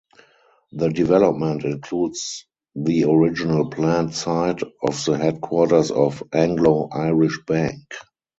The development includes the original planned site of the headquarters of Anglo Irish Bank.